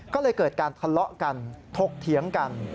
ก็เลยเกิดการทะเลาะกันถกเถียงกัน